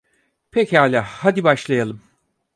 Pekala, hadi başlayalım.